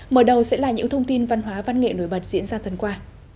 mở đầu sẽ là những thông tin văn hóa văn nghệ nổi bật diễn ra tuần qua